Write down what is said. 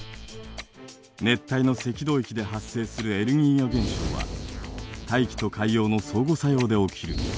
熱帯の赤道域で発生するエルニーニョ現象は大気と海洋の相互作用で起きると考えられています。